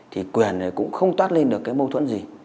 thì quyền này cũng không toát lên được cái mâu thuẫn gì